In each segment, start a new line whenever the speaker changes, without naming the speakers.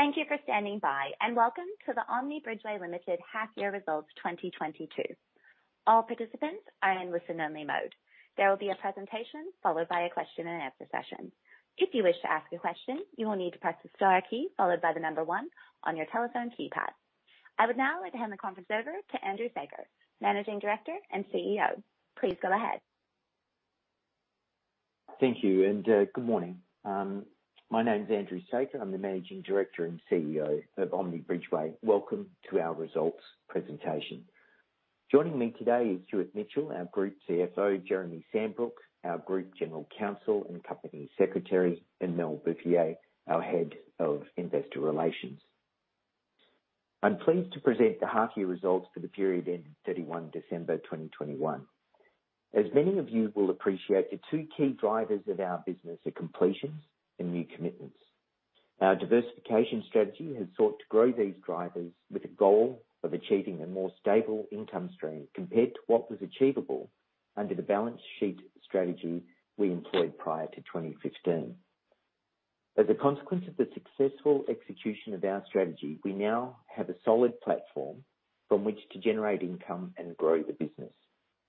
Thank you for standing by, and welcome to the Omni Bridgeway Limited Half Year Results 2022. All participants are in listen-only mode. There will be a presentation followed by a question-and-answer session. If you wish to ask a question, you will need to press the star key followed by the number one on your telephone keypad. I would now hand the conference over to Andrew Saker, Managing Director and CEO. Please go ahead.
Thank you, and good morning. My name is Andrew Saker. I'm the Managing Director and CEO of Omni Bridgeway. Welcome to our results presentation. Joining me today is Stuart Mitchell, our Group CFO, Jeremy Sambrook, our Group General Counsel and Company Secretary, and Mel Buffier, our Head of Investor Relations. I'm pleased to present the half year results for the period ending 31 December 2021. As many of you will appreciate, the two key drivers of our business are completions and new commitments. Our diversification strategy has sought to grow these drivers with a goal of achieving a more stable income stream compared to what was achievable under the balance sheet strategy we employed prior to 2015. As a consequence of the successful execution of our strategy, we now have a solid platform from which to generate income and grow the business,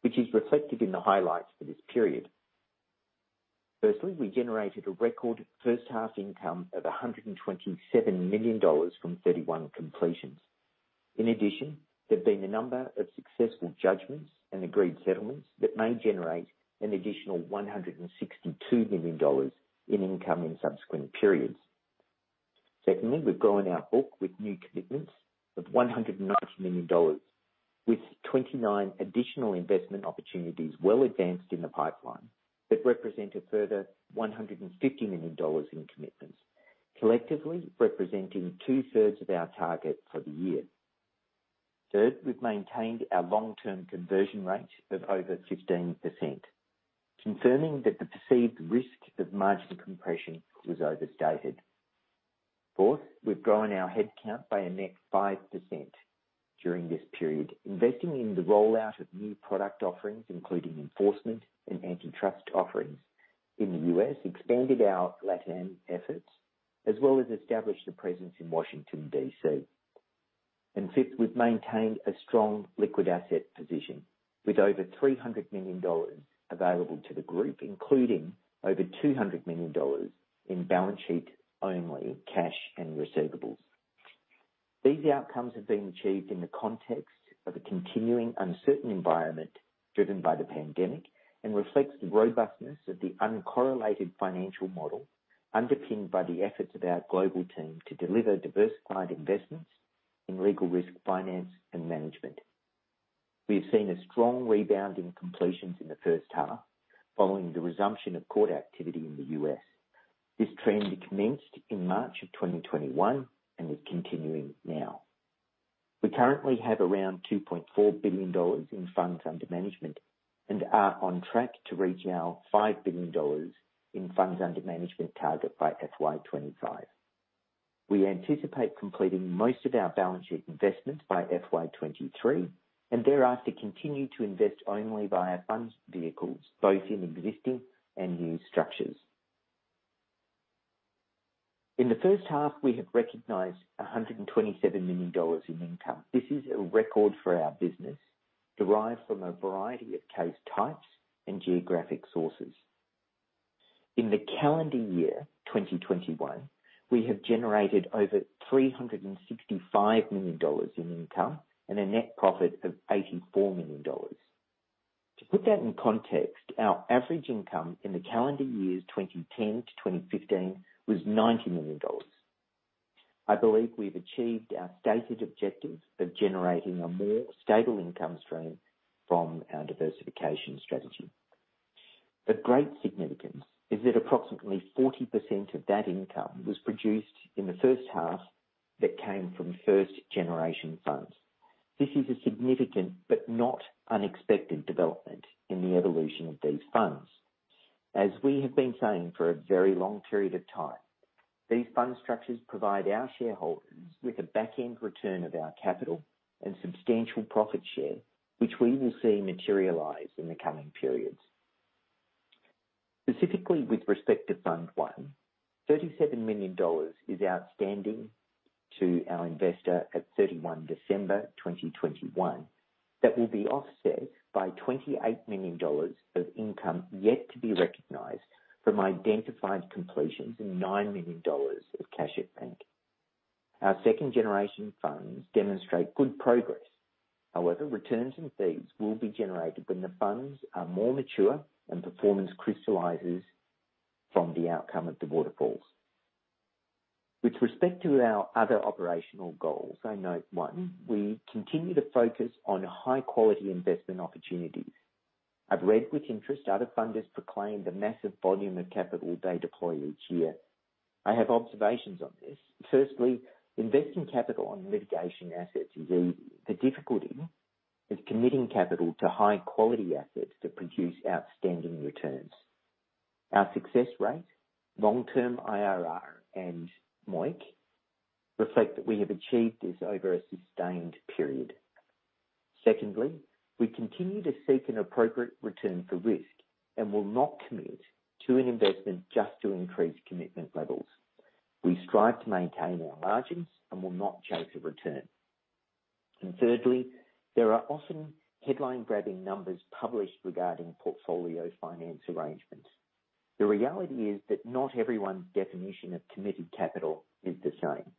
which is reflected in the highlights for this period. Firstly, we generated a record first half income of $127 million from 31 completions. In addition, there have been a number of successful judgments and agreed settlements that may generate an additional $162 million in income in subsequent periods. Secondly, we've grown our book with new commitments of $190 million, with 29 additional investment opportunities well advanced in the pipeline that represent a further $150 million in commitments, collectively representing 2/3 of our target for the year. Third, we've maintained our long-term conversion rate of over 15%, confirming that the perceived risk of margin compression was overstated. Fourth, we've grown our headcount by a net 5% during this period, investing in the rollout of new product offerings, including enforcement and antitrust offerings in the U.S., expanded our LatAm efforts, as well as established a presence in Washington, D.C. Fifth, we've maintained a strong liquid asset position with over $300 million available to the Group, including over $200 million in balance sheet only cash and receivables. These outcomes have been achieved in the context of a continuing uncertain environment driven by the pandemic and reflects the robustness of the uncorrelated financial model underpinned by the efforts of our global team to deliver diversified investments in legal risk, finance, and management. We have seen a strong rebound in completions in the first half following the resumption of court activity in the U.S. This trend commenced in March of 2021 and is continuing now. We currently have around $2.4 billion in funds under management and are on track to reach our $5 billion in funds under management target by FY 2025. We anticipate completing most of our balance sheet investments by FY 2023 and thereafter continue to invest only via fund vehicles, both in existing and new structures. In the first half we have recognized $127 million in income. This is a record for our business, derived from a variety of case types and geographic sources. In the calendar year 2021, we have generated over $365 million in income and a net profit of $84 million. To put that in context, our average income in the calendar years 2010-2015 was $90 million. I believe we've achieved our stated objectives of generating a more stable income stream from our diversification strategy. Of great significance is that approximately 40% of that income was produced in the first half that came from first-generation funds. This is a significant but not unexpected development in the evolution of these funds. As we have been saying for a very long period of time, these fund structures provide our shareholders with a back-end return of our capital and substantial profit share, which we will see materialize in the coming periods. Specifically with respect to Fund 1, $37 million is outstanding to our investor at 31 December 2021. That will be offset by $28 million of income yet to be recognized from identified completions and $9 million of cash at bank. Our second-generation funds demonstrate good progress. However, returns and fees will be generated when the funds are more mature and performance crystallizes from the outcome of the waterfalls. With respect to our other operational goals, I note one. We continue to focus on high-quality investment opportunities. I've read with interest other funders proclaim the massive volume of capital they deploy each year. I have observations on this. Firstly, investing capital on litigation assets. The difficulty is committing capital to high-quality assets that produce outstanding returns. Our success rate, long-term IRR, and MOIC reflect that we have achieved this over a sustained period. Secondly, we continue to seek an appropriate return for risk and will not commit to an investment just to increase commitment levels. We strive to maintain our margins and will not chase a return. Thirdly, there are often headline-grabbing numbers published regarding portfolio finance arrangements. The reality is that not everyone's definition of committed capital is the same.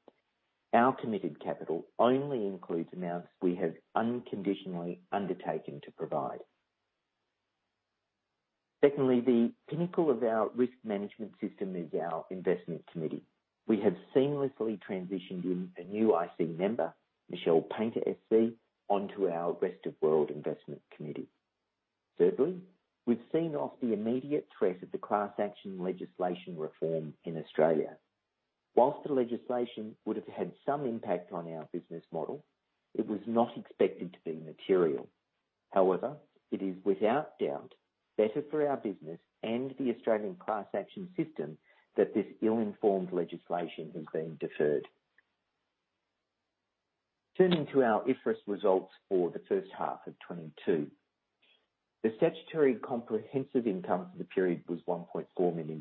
Our committed capital only includes amounts we have unconditionally undertaken to provide. Secondly, the pinnacle of our risk management system is our Investment Committee. We have seamlessly transitioned in a new IC member, Michelle Painter SC, onto our Rest of World Investment Committee. Thirdly, we've seen off the immediate threat of the class action legislation reform in Australia. While the legislation would have had some impact on our business model, it was not expected to be material. However, it is without doubt better for our business and the Australian class action system that this ill-informed legislation has been deferred. Turning to our IFRS results for the first half of 2022. The statutory comprehensive income for the period was $1.4 million,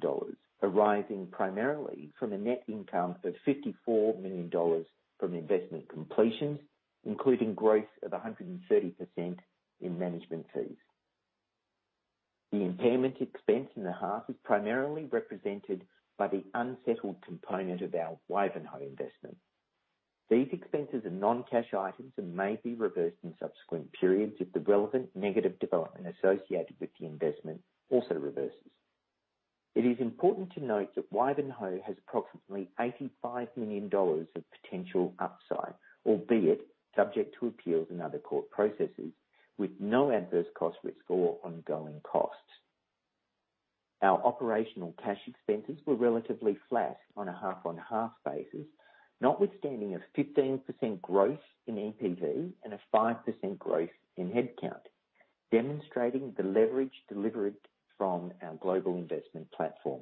arising primarily from a net income of $54 million from investment completions, including growth of 130% in management fees. The impairment expense in the half is primarily represented by the unsettled component of our Wivenhoe investment. These expenses are non-cash items and may be reversed in subsequent periods if the relevant negative development associated with the investment also reverses. It is important to note that Wivenhoe has approximately $85 million of potential upside, albeit subject to appeals and other court processes with no adverse cost, risk or ongoing costs. Our operational cash expenses were relatively flat on a half-on-half basis, notwithstanding a 15% growth in EPV and a 5% growth in headcount, demonstrating the leverage delivered from our global investment platform.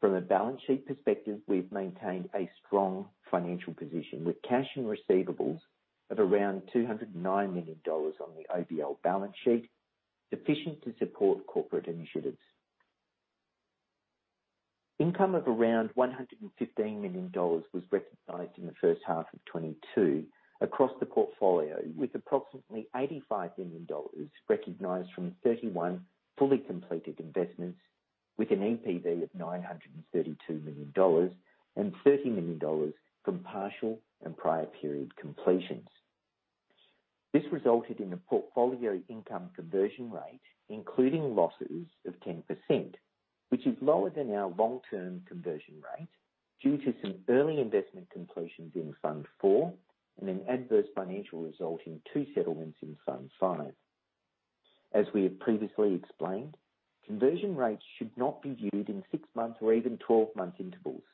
From a balance sheet perspective, we've maintained a strong financial position with cash and receivables of around $209 million on the OBL balance sheet, sufficient to support corporate initiatives. Income of around $115 million was recognized in the first half of 2022 across the portfolio, with approximately $85 million recognized from 31 fully completed investments, with an EPV of $932 million and $30 million from partial and prior period completions. This resulted in a portfolio income conversion rate, including losses of 10%, which is lower than our long-term conversion rate due to some early investment completions in Fund 4 and an adverse financial result in two settlements in Fund 5. As we have previously explained, conversion rates should not be viewed in six months or even 12-month intervals.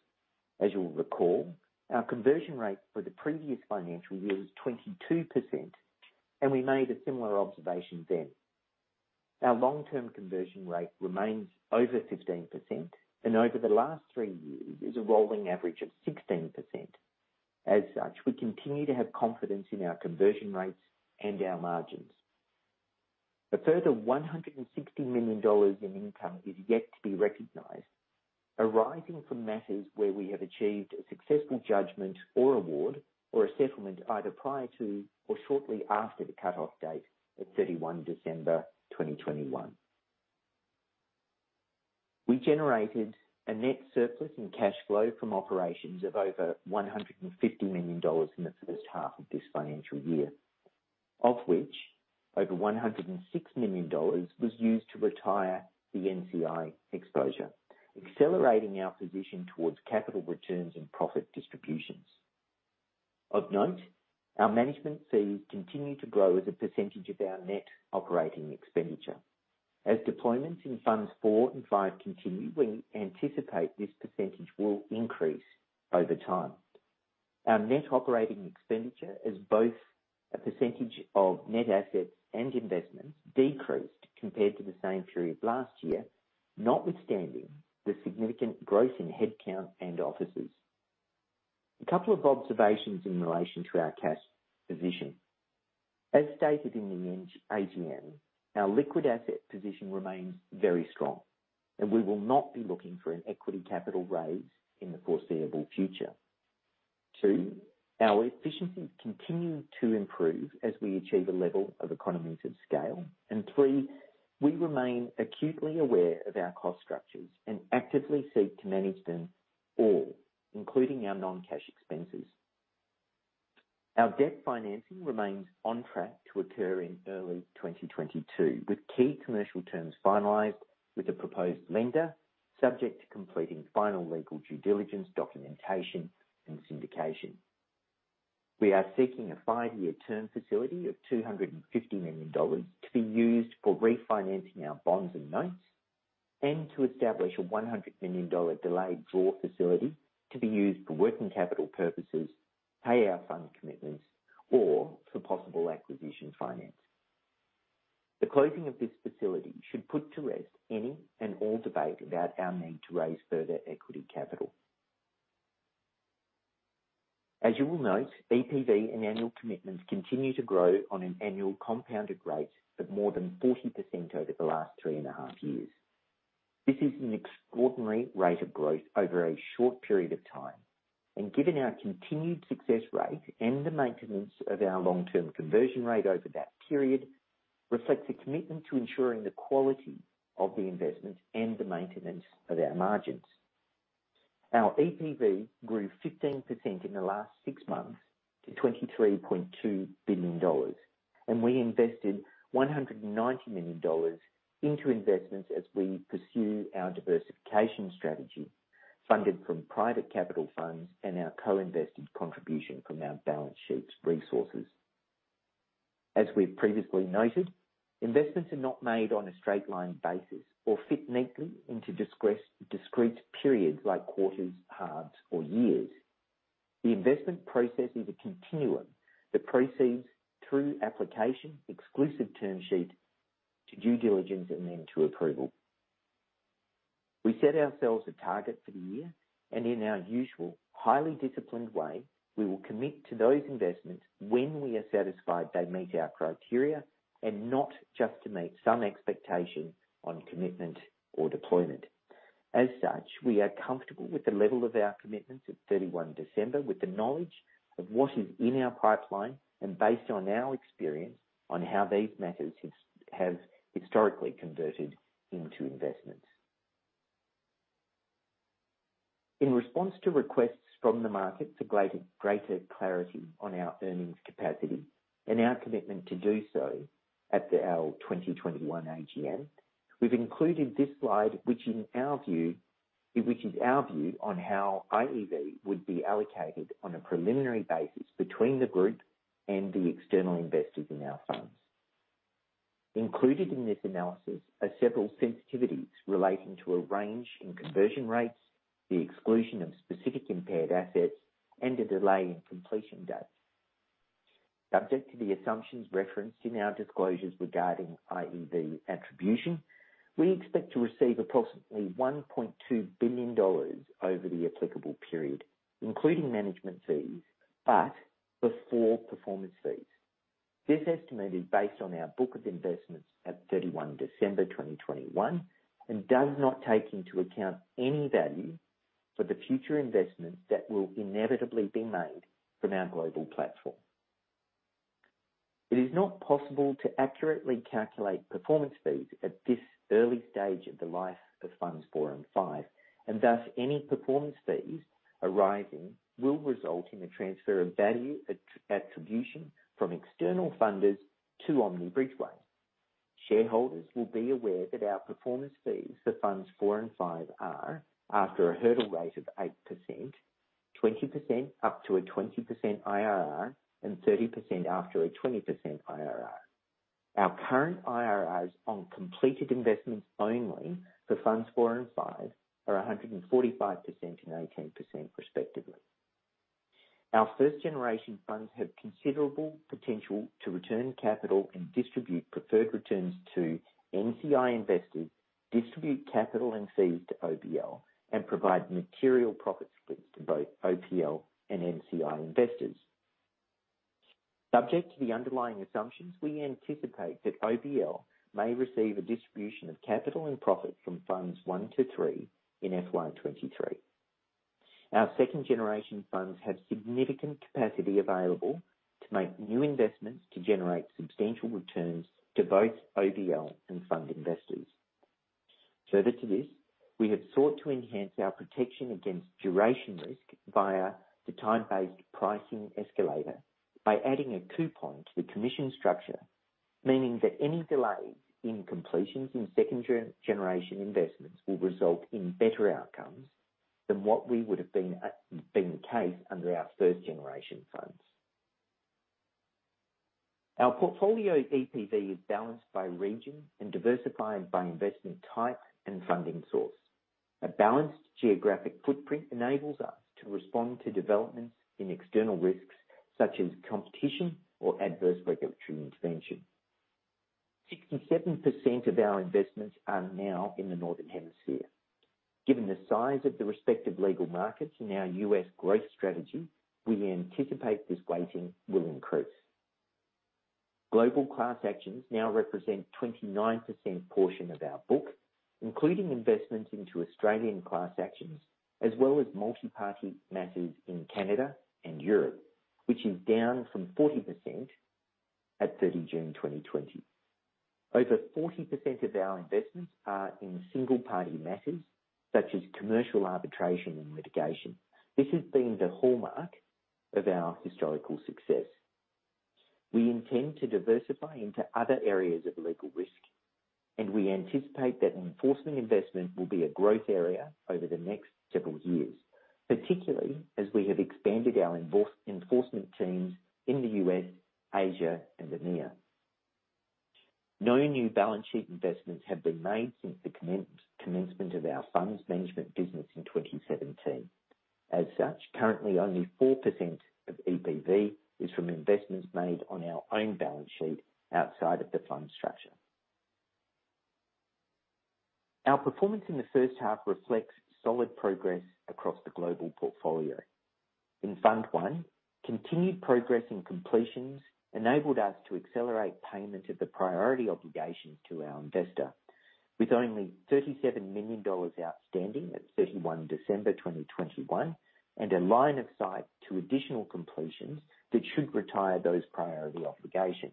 As you will recall, our conversion rate for the previous financial year was 22% and we made a similar observation then. Our long-term conversion rate remains over 15% and over the last three years is a rolling average of 16%. As such, we continue to have confidence in our conversion rates and our margins. A further $160 million in income is yet to be recognized, arising from matters where we have achieved a successful judgment or award, or a settlement either prior to or shortly after the cutoff date of 31 December 2021. We generated a net surplus in cash flow from operations of over $150 million in the first half of this financial year, of which over $106 million was used to retire the NCI exposure, accelerating our position towards capital returns and profit distributions. Of note, our management fees continue to grow as a percentage of our net operating expenditure. As deployments in Funds 4 and 5 continue, we anticipate this percentage will increase over time. Our net operating expenditure, both as a percentage of net assets and investments, decreased compared to the same period last year, notwithstanding the significant growth in headcount and offices. A couple of observations in relation to our cash position. As stated in the AGM, our liquid asset position remains very strong, and we will not be looking for an equity capital raise in the foreseeable future. Two, our efficiencies continue to improve as we achieve a level of economies of scale. Three, we remain acutely aware of our cost structures and actively seek to manage them all, including our non-cash expenses. Our debt financing remains on track to occur in early 2022, with key commercial terms finalized with the proposed lender, subject to completing final legal due diligence, documentation, and syndication. We are seeking a five-year term facility of $250 million to be used for refinancing our bonds and notes, and to establish a $100 million delayed draw facility to be used for working capital purposes, pay our fund commitments or for possible acquisitions funding. The closing of this facility should put to rest any and all debate about our need to raise further equity capital. As you will note, EPV and annual commitments continue to grow on an annual compounded rate of more than 40% over the last 3.5 years. This is an extraordinary rate of growth over a short period of time, and given our continued success rate and the maintenance of our long-term conversion rate over that period, reflects a commitment to ensuring the quality of the investment and the maintenance of our margins. Our EPV grew 15% in the last six months to $23.2 billion. We invested $190 million into investments as we pursue our diversification strategy, funded from private capital funds and our co-invested contribution from our balance sheets resources. As we've previously noted, investments are not made on a straight-line basis or fit neatly into discrete periods like quarters, halves, or years. The investment process is a continuum that proceeds through application, exclusive term sheet to due diligence, and then to approval. We set ourselves a target for the year, and in our usual highly disciplined way, we will commit to those investments when we are satisfied they meet our criteria and not just to meet some expectation on commitment or deployment. As such, we are comfortable with the level of our commitments at 31 December with the knowledge of what is in our pipeline and based on our experience on how these matters have historically converted into investments. In response to requests from the market for greater clarity on our earnings capacity and our commitment to do so at our 2021 AGM, we've included this slide, which in our view. which is our view on how IEV would be allocated on a preliminary basis between the group and the external investors in our funds. Included in this analysis are several sensitivities relating to a range in conversion rates, the exclusion of specific impaired assets, and a delay in completion dates. Subject to the assumptions referenced in our disclosures regarding IEV attribution, we expect to receive approximately $1.2 billion over the applicable period, including management fees, but before performance fees. This estimate is based on our book of investments at 31 December 2021, and does not take into account any value for the future investments that will inevitably be made from our global platform. It is not possible to accurately calculate performance fees at this early stage of the life of Funds 4 and 5, and thus any performance fees arising will result in a transfer of value attribution from external funders to Omni Bridgeway. Shareholders will be aware that our performance fees for Funds 4 and 5 are after a hurdle rate of 8%, 20% up to a 20% IRR, and 30% after a 20% IRR. Our current IRRs on completed investments only for Funds 4 and 5 are 145% and 18% respectively. Our first generation funds have considerable potential to return capital and distribute preferred returns to NCI investors, distribute capital and fees to OBL, and provide material profit splits to both OBL and NCI investors. Subject to the underlying assumptions, we anticipate that OBL may receive a distribution of capital and profit from Funds 1 to 3 in FY 2023. Our second-generation funds have significant capacity available to make new investments to generate substantial returns to both OBL and fund investors. Further to this, we have sought to enhance our protection against duration risk via the time-based pricing escalator by adding a coupon to the commission structure, meaning that any delays in completions in second-generation investments will result in better outcomes than what would have been the case under our first-generation funds. Our portfolio EPV is balanced by region and diversified by investment type and funding source. A balanced geographic footprint enables us to respond to developments in external risks such as competition or adverse regulatory intervention. 67% of our investments are now in the Northern Hemisphere. Given the size of the respective legal markets in our U.S. growth strategy, we anticipate this weighting will increase. Global class actions now represent 29% portion of our book, including investments into Australian class actions, as well as multi-party matters in Canada and Europe, which is down from 40% at 30 June 2020. Over 40% of our investments are in single-party matters such as commercial arbitration and litigation. This has been the hallmark of our historical success. We intend to diversify into other areas of legal risk, and we anticipate that enforcement investment will be a growth area over the next several years, particularly as we have expanded our enforcement teams in the U.S., Asia, and EMEA. No new balance sheet investments have been made since the commencement of our funds management business in 2017. As such, currently only 4% of EPV is from investments made on our own balance sheet outside of the fund structure. Our performance in the first half reflects solid progress across the global portfolio. In Fund 1, continued progress in completions enabled us to accelerate payment of the priority obligations to our investor, with only $37 million outstanding at 31 December 2021, and in line of sight to additional completions that should retire those priority obligations.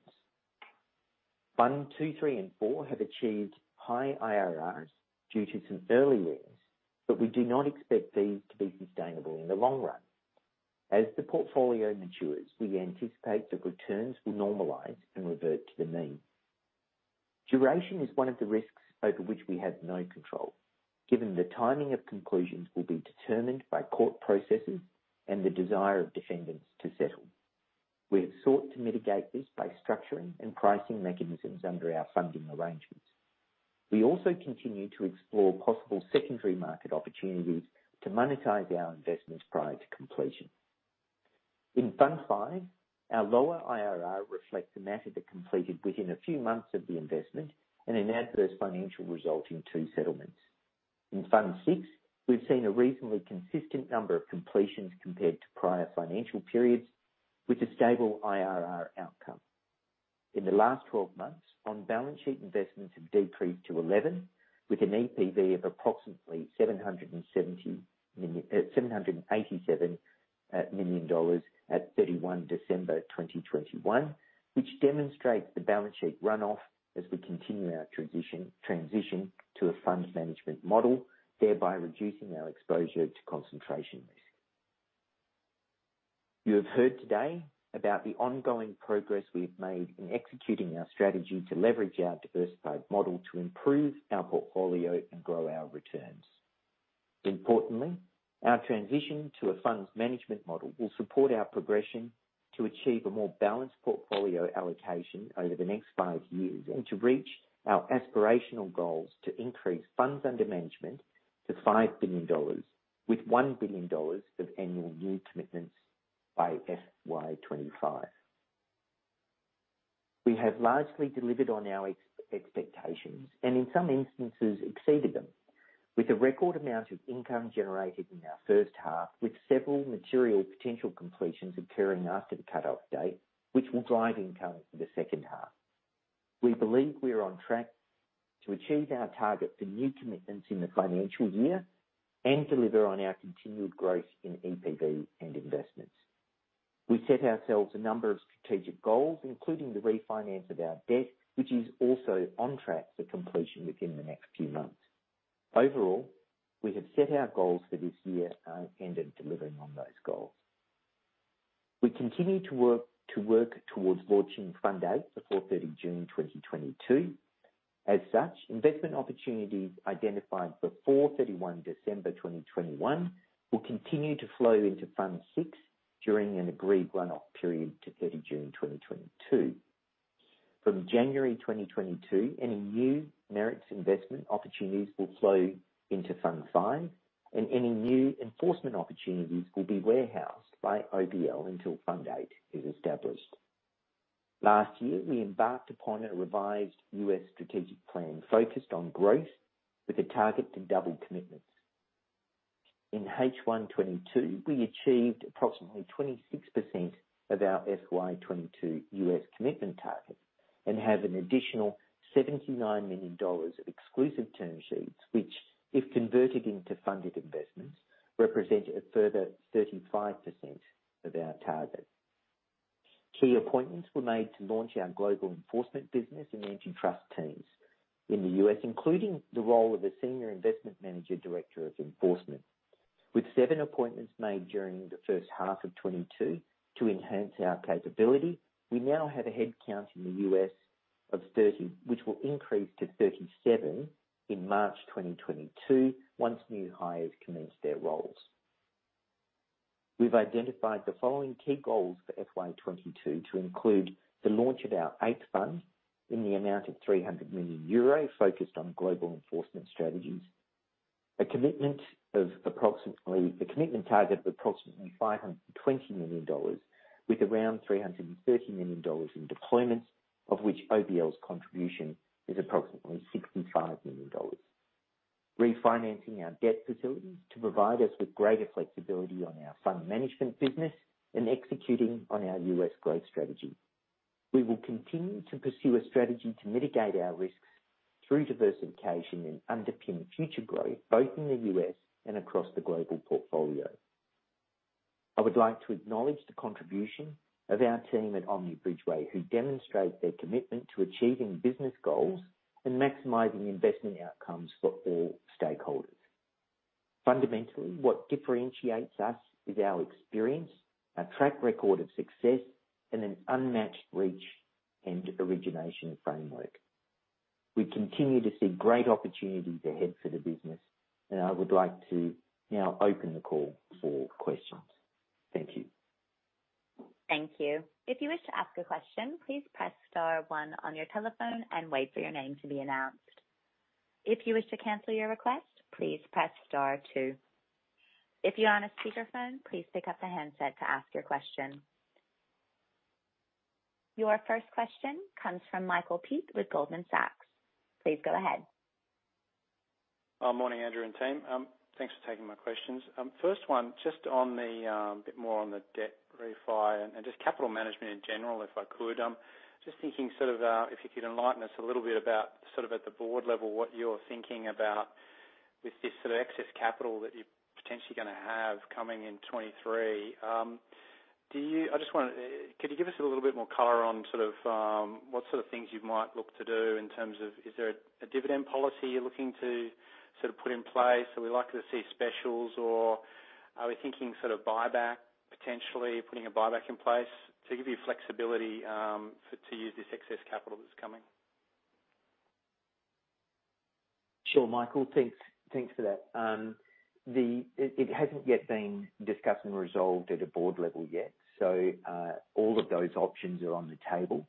Fund 2, 3, and 4 have achieved high IRRs due to some early wins, but we do not expect these to be sustainable in the long run. As the portfolio matures, we anticipate the returns will normalize and revert to the mean. Duration is one of the risks over which we have no control, given the timing of conclusions will be determined by court processes and the desire of defendants to settle. We have sought to mitigate this by structuring and pricing mechanisms under our funding arrangements. We also continue to explore possible secondary market opportunities to monetize our investments prior to completion. In Fund 5, our lower IRR reflects the matter that completed within a few months of the investment and an adverse financial result in two settlements. In Fund 6, we've seen a reasonably consistent number of completions compared to prior financial periods with a stable IRR outcome. In the last 12 months, on-balance-sheet investments have decreased to 11, with an EPV of approximately $787 million at 31 December 2021, which demonstrates the balance sheet runoff as we continue our transition to a fund management model, thereby reducing our exposure to concentration risk. You have heard today about the ongoing progress we have made in executing our strategy to leverage our diversified model to improve our portfolio and grow our returns. Importantly, our transition to a funds management model will support our progression to achieve a more balanced portfolio allocation over the next five years, and to reach our aspirational goals to increase funds under management to $5 billion, with $1 billion of annual new commitments by FY 2025. We have largely delivered on our expectations and in some instances exceeded them with a record amount of income generated in our first half, with several material potential completions occurring after the cutoff date, which will drive income for the second half. We believe we are on track to achieve our target for new commitments in the financial year and deliver on our continued growth in EPV and investments. We set ourselves a number of strategic goals, including the refinance of our debt, which is also on track for completion within the next few months. Overall, we have set our goals for this year and are aimed at delivering on those goals. We continue to work towards launching Fund 8 before 30 June 2022. As such, investment opportunities identified before 31 December 2021 will continue to flow into Fund 6 during an agreed run-off period to 30 June 2022. From January 2022, any new merits investment opportunities will flow into Fund 5, and any new enforcement opportunities will be warehoused by OBL until Fund 8 is established. Last year, we embarked upon a revised U.S. strategic plan focused on growth with a target to double commitments. In H1 2022, we achieved approximately 26% of our FY 2022 U.S. commitment target and have an additional $79 million of exclusive term sheets, which, if converted into funded investments, represent a further 35% of our target. Key appointments were made to launch our global enforcement business and antitrust teams in the U.S., including the role of a Senior Investment Manager, Director of Enforcement. With seven appointments made during H1 2022 to enhance our capability, we now have a head count in the U.S. of 30, which will increase to 37 in March 2022 once new hires commence their roles. We've identified the following key goals for FY 2022 to include the launch of our Fund 8 in the amount of 300 million euro focused on global enforcement strategies. A commitment target of approximately $520 million, with around $330 million in deployments, of which OBL's contribution is approximately $65 million. Refinancing our debt facilities to provide us with greater flexibility on our fund management business and executing on our U.S. growth strategy. We will continue to pursue a strategy to mitigate our risks through diversification and underpin future growth both in the U.S. and across the global portfolio. I would like to acknowledge the contribution of our team at Omni Bridgeway, who demonstrate their commitment to achieving business goals and maximizing investment outcomes for all stakeholders. Fundamentally, what differentiates us is our experience, our track record of success, and an unmatched reach and origination framework. We continue to see great opportunities ahead for the business, and I would like to now open the call for questions. Thank you.
Thank you. If you wish to ask a question, please press star one on your telephone and wait for your name to be announced. If you wish to cancel your request, please press star two. If you're on a speakerphone, please pick up the handset to ask your question. Your first question comes from Michael Peet with Goldman Sachs. Please go ahead.
Morning, Andrew and team. Thanks for taking my questions. First one, just on a bit more on the debt refi and just capital management in general, if I could. Just thinking sort of, if you could enlighten us a little bit about, sort of at the Board level, what you're thinking about with this sort of excess capital that you're potentially gonna have coming in 2023. Could you give us a little bit more color on sort of, what sort of things you might look to do in terms of is there a dividend policy you're looking to sort of put in place? Are we likely to see specials or are we thinking sort of buyback, potentially putting a buyback in place to give you flexibility, for to use this excess capital that's coming?
Sure, Michael, thanks. Thanks for that. It hasn't yet been discussed and resolved at a Board level yet, so all of those options are on the table.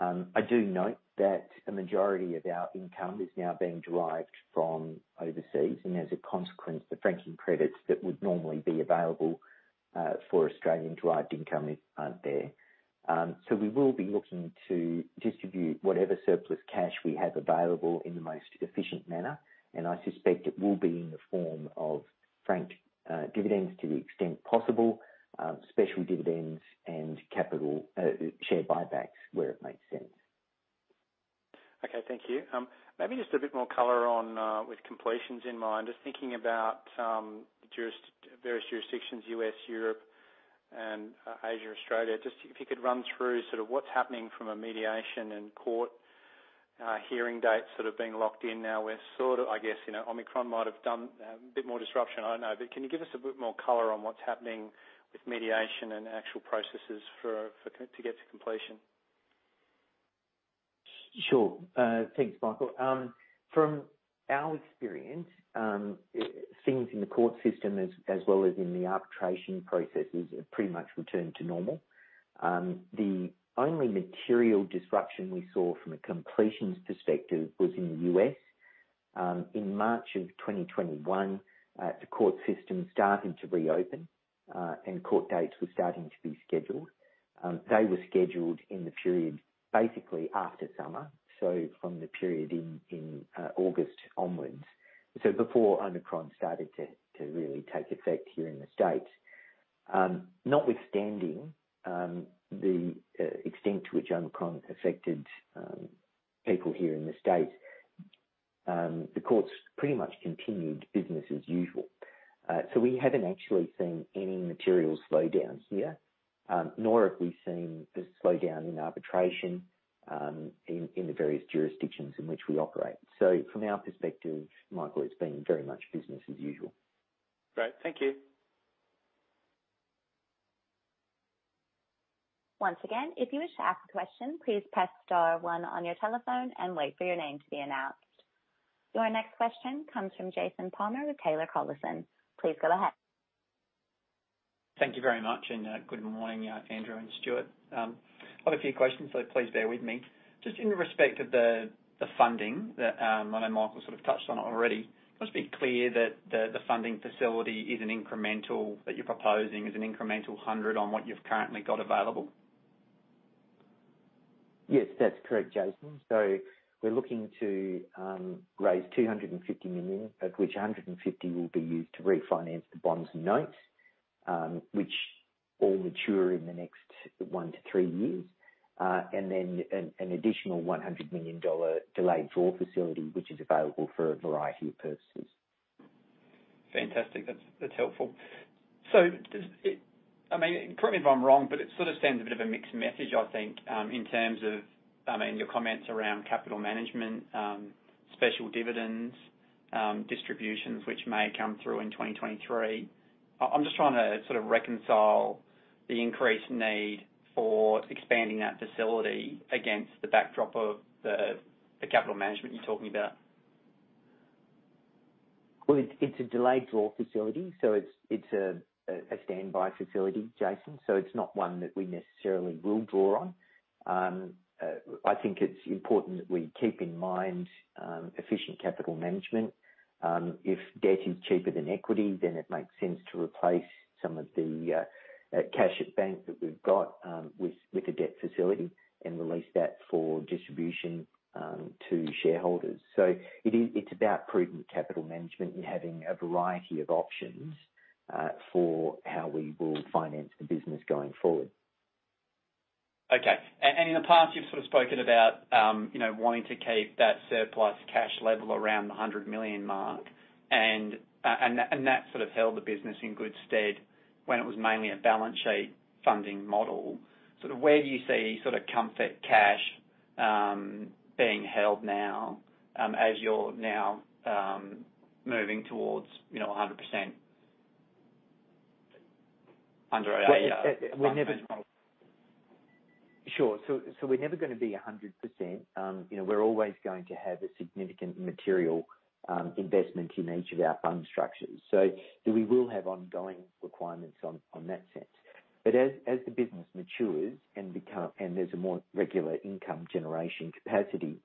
I do note that a majority of our income is now being derived from overseas and as a consequence, the franking credits that would normally be available for Australian-derived income aren't there. We will be looking to distribute whatever surplus cash we have available in the most efficient manner, and I suspect it will be in the form of franked dividends to the extent possible, special dividends and capital share buybacks where it makes sense.
Okay. Thank you. Maybe just a bit more color on, with completions in mind, just thinking about, various jurisdictions, U.S., Europe, and Asia, Australia. Just if you could run through sort of what's happening from a mediation and court, hearing dates that are being locked in now with sort of, I guess, you know, Omicron might have done a bit more disruption. I don't know. Can you give us a bit more color on what's happening with mediation and actual processes for to get to completion?
Sure. Thanks, Michael. From our experience, things in the court system as well as in the arbitration processes, have pretty much returned to normal. The only material disruption we saw from a completions perspective was in the U.S. In March of 2021, the Court system started to reopen, and court dates were starting to be scheduled. They were scheduled in the period basically after summer, so from the period in August onwards, so before Omicron started to really take effect here in the States. Notwithstanding, the extent to which Omicron affected people here in the States, the courts pretty much continued business as usual. We haven't actually seen any material slowdowns here, nor have we seen a slowdown in arbitration, in the various jurisdictions in which we operate. From our perspective, Michael, it's been very much business as usual.
Great. Thank you.
Once again, if you wish to ask a question, please press star one on your telephone and wait for your name to be announced. Your next question comes from Jason Palmer with Taylor Collison. Please go ahead.
Thank you very much. Good morning, Andrew and Stuart. I have a few questions, so please bear with me. Just in respect of the funding that I know Michael sort of touched on already, just be clear that the funding facility that you're proposing is an incremental $100 million on what you've currently got available.
Yes, that's correct, Jason. We're looking to raise $250 million, of which $150 million will be used to refinance the bonds and notes, which all mature in the next one to three years. An additional $100 million delayed draw facility, which is available for a variety of purposes.
Fantastic. That's helpful. Does it I mean, correct me if I'm wrong, but it sort of sends a bit of a mixed message, I think, in terms of, I mean, your comments around capital management, special dividends, distributions which may come through in 2023. I'm just trying to sort of reconcile the increased need for expanding that facility against the backdrop of the capital management you're talking about.
It's a delayed draw facility, so it's a standby facility, Jason. It's not one that we necessarily will draw on. I think it's important that we keep in mind efficient capital management. If debt is cheaper than equity, then it makes sense to replace some of the cash at bank that we've got with a debt facility and release that for distribution to shareholders. It is about prudent capital management and having a variety of options for how we will finance the business going forward.
Okay. In the past you've sort of spoken about, you know, wanting to keep that surplus cash level around the $100 million mark and that sort of held the business in good stead when it was mainly a balance sheet funding model. Sort of where do you see sort of comfort cash being held now as you're now moving towards, you know, 100%.
We're never gonna be 100%. You know, we're always going to have a significant material investment in each of our fund structures. We will have ongoing requirements in that sense. As the business matures and there's a more regular income generation capacity,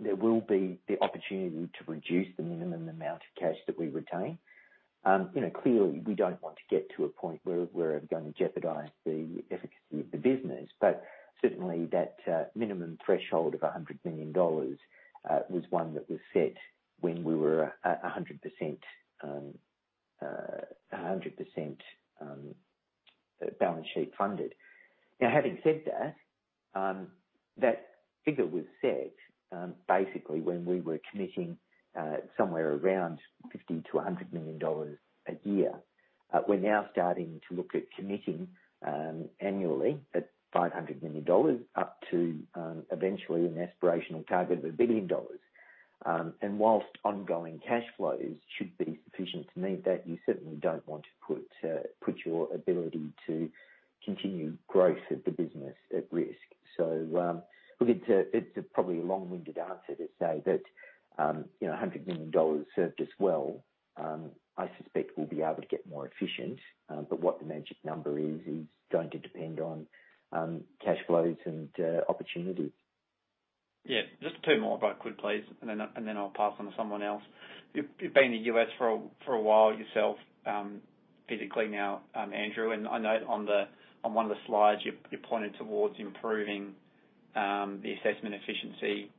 there will be the opportunity to reduce the minimum amount of cash that we retain. You know, clearly, we don't want to get to a point where we're gonna jeopardize the efficacy of the business, but certainly, that minimum threshold of $100 million was one that was set when we were 100% balance sheet funded. Now, having said that figure was set basically when we were committing somewhere around $50 million-$100 million a year. We're now starting to look at committing annually at $500 million up to eventually an aspirational target of $1 billion. While ongoing cash flows should be sufficient to meet that, you certainly don't want to put your ability to continue growth of the business at risk. Look, it's probably a long-winded answer to say that, you know, $100 million served us well. I suspect we'll be able to get more efficient, but what the magic number is going to depend on cash flows and opportunities.
Yeah. Just two more if I could, please, and then I'll pass on to someone else. You've been in the U.S. for a while yourself, physically now, Andrew, and I know on one of the slides, you pointed towards improving the assessment efficiency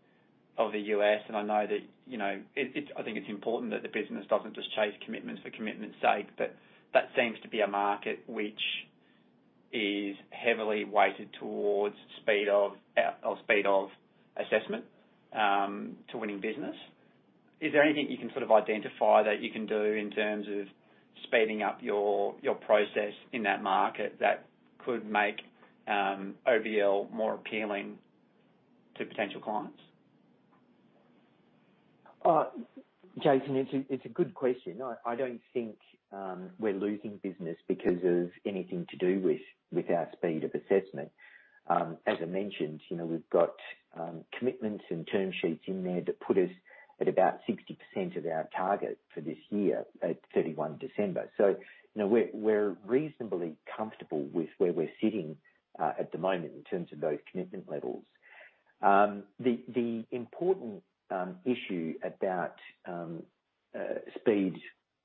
of the U.S., and I know that, you know, it I think it's important that the business doesn't just chase commitments for commitment's sake, but that seems to be a market which is heavily weighted towards speed of or speed of assessment to winning business. Is there anything you can sort of identify that you can do in terms of speeding up your process in that market that could make OBL more appealing to potential clients?
Jason, it's a good question. I don't think we're losing business because of anything to do with our speed of assessment. As I mentioned, you know, we've got commitments and term sheets in there that put us at about 60% of our target for this year at 31 December. You know, we're reasonably comfortable with where we're sitting at the moment in terms of those commitment levels. The important issue about speed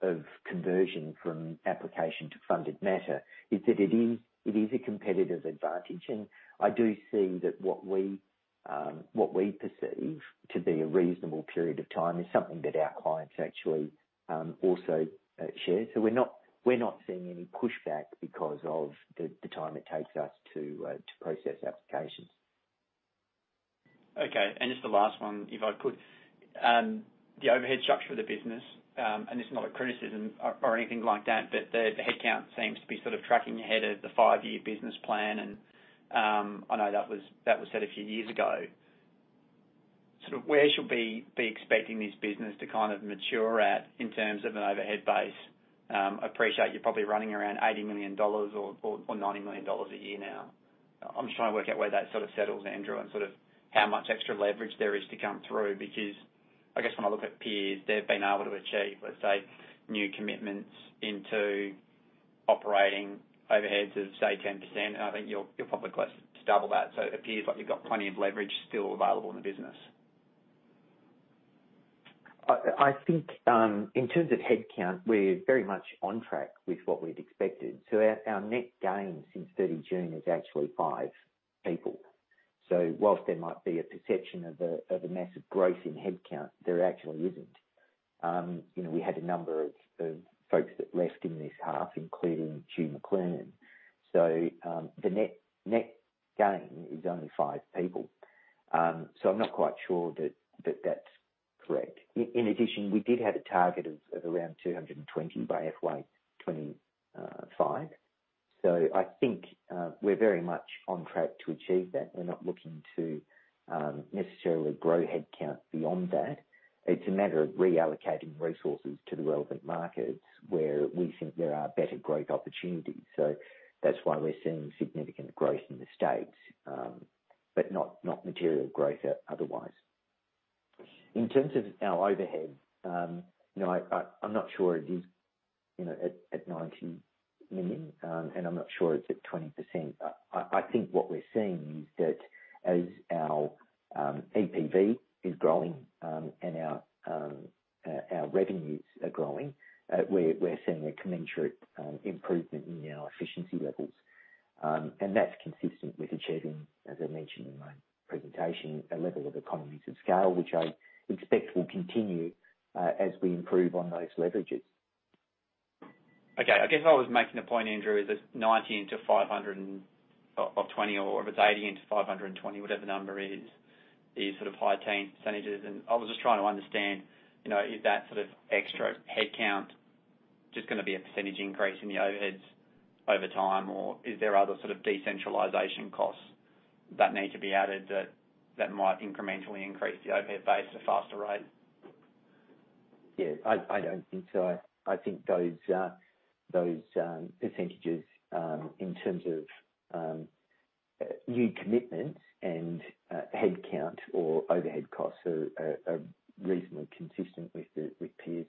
of conversion from application to funded matter is that it is a competitive advantage, and I do see that what we perceive to be a reasonable period of time is something that our clients actually also share. We're not seeing any pushback because of the time it takes us to process applications.
Just the last one, if I could. The overhead structure of the business, and it's not a criticism or anything like that, but the headcount seems to be sort of tracking ahead of the five-year business plan. I know that was set a few years ago. Sort of where should we be expecting this business to kind of mature at in terms of an overhead base? I appreciate you're probably running around $80 million or $90 million a year now. I'm just trying to work out where that sort of settles, Andrew, and sort of how much extra leverage there is to come through, because I guess when I look at peers, they've been able to achieve, let's say, new commitments into operating overheads of, say, 10%. I think you're probably close to double that. It appears like you've got plenty of leverage still available in the business.
I think in terms of headcount, we're very much on track with what we'd expected. Our net gain since 30 June is actually five people. While there might be a perception of a massive growth in headcount, there actually isn't. You know, we had a number of folks that left in this half, including Hugh McLernon. The net gain is only five people. I'm not quite sure that that's correct. In addition, we did have a target of around $220 million by FY 2025. I think we're very much on track to achieve that. We're not looking to necessarily grow headcount beyond that. It's a matter of reallocating resources to the relevant markets where we think there are better growth opportunities. That's why we're seeing significant growth in the States, but not material growth otherwise. In terms of our overhead, you know, I'm not sure it is, you know, at $19 million, and I'm not sure it's at 20%. I think what we're seeing is that as our EPV is growing, and our revenues are growing, we're seeing a commensurate improvement in our efficiency levels. And that's consistent with achieving, as I mentioned in my presentation, a level of economies of scale, which I expect will continue as we improve on those leverages.
Okay. I guess I was making the point, Andrew, is that $90 million into $500 million or $20 million or if it's $80 million into $520 million, whatever the number is sort of high-teen percentages. I was just trying to understand, you know, is that sort of extra headcount just gonna be a percentage increase in the overheads over time, or is there other sort of decentralization costs that need to be added that might incrementally increase the overhead base at a faster rate?
Yeah. I don't think so. I think those percentages in terms of new commitments and headcount or overhead costs are reasonably consistent with peers.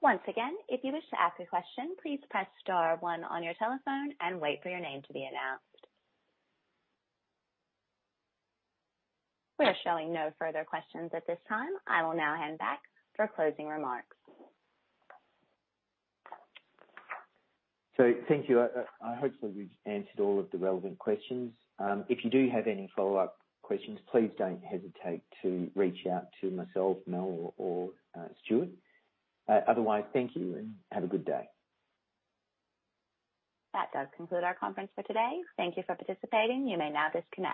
Once again, if you wish to ask a question, please press star one on your telephone and wait for your name to be announced. We are showing no further questions at this time. I will now hand back for closing remarks.
Thank you. Hopefully, we've answered all of the relevant questions. If you do have any follow-up questions, please don't hesitate to reach out to myself, Mel or Stuart. Otherwise, thank you and have a good day.
That does conclude our conference for today. Thank you for participating. You may now disconnect.